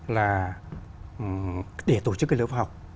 là để tổ chức cái lớp học